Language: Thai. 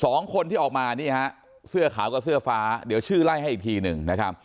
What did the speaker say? สองคนที่ออกมานี่ฮะเสื้อขาวกับเสื้อฟ้าเดี๋ยวชื่อไล่ให้อีกทีหนึ่งนะครับ